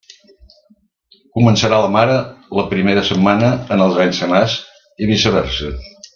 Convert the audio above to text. Començarà la mare la primera setmana en els anys senars i viceversa.